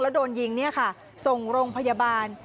แล้วโดนยิงเนี่ยค่ะส่งโรงพยาบาล